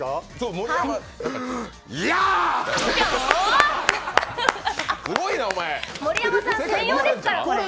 盛山さん専用ですからこれ。